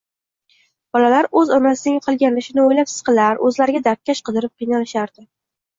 Bolalar oʻz onasining qilgan ishini oʻylab siqilar, oʻzlariga dardkash qidirib qiynalishardi